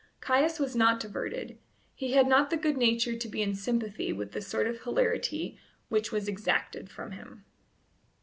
Caius was not diverted; he had not the good nature to be in sympathy with the sort of hilarity which was exacted from him.